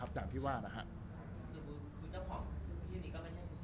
รูปนั้นผมก็เป็นคนถ่ายเองเคลียร์กับเรา